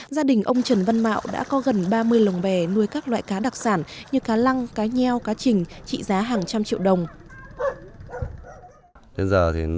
gia đình ông trần văn mạo đã có gần ba mươi lồng bè nuôi các loại cá đặc sản như cá lăng cá nheo cá trình trị giá hàng trăm triệu đồng